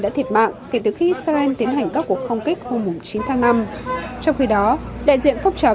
đã thiệt mạng kể từ khi israel tiến hành các cuộc không kích hôm chín tháng năm trong khi đó đại diện phong trào